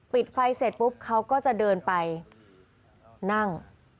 ปิดไฟเสร็จปุ๊บเขาก็จะเดินไปนั่ง